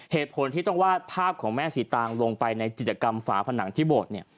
เหตุผลที่ต้องวาดภาพของแม่สีตางลงไปในจิตกรรมฝาผนังที่โบสถ์เนี่ย